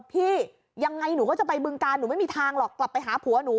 พี่ยังไงหนูก็จะไปบึงการหนูไม่มีทางหรอกกลับไปหาผัวหนู